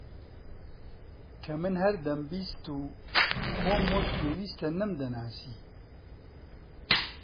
کە من هەر دەمبیست و خۆم وەک پێویستە نەمدەناسی